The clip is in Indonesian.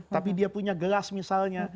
tapi dia punya gelas misalnya